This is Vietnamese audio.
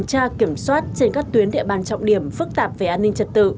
tra kiểm soát trên các tuyến địa bàn trọng điểm phức tạp về an ninh trật tự